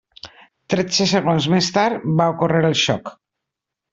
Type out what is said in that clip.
Tretze segons més tard, va ocórrer el xoc.